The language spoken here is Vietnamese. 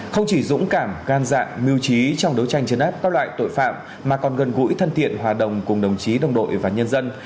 không chỉ dũng cảm gan dạng mưu trí trong đấu tranh chấn áp các loại tội phạm mà còn gần gũi thân thiện hòa đồng cùng đồng chí đồng đội và nhân dân